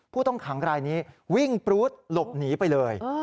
ผู้ต้องขังรายนี้วิ่งปรู๊ดหลบหนีไปเลย